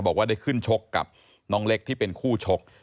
บอกว่าได้ขึ้นชกกับน้องเล็กที่เป็นคู่ชก